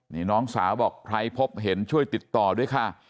นี่น้องสาวบอกใครพบเห็นช่วยติดต่อด้วยค่ะ